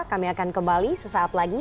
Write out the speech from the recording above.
kami akan kembali sesaat lagi